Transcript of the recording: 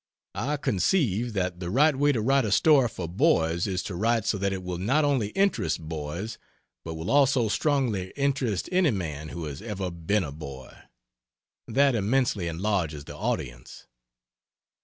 I conceive that the right way to write a story for boys is to write so that it will not only interest boys but will also strongly interest any man who has ever been a boy. That immensely enlarges the audience.